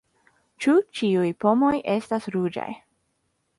Ĉu ĉiuj pomoj estas ruĝaj?